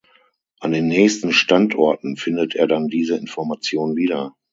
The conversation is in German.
An den nächsten Standorten findet er dann diese Information wieder.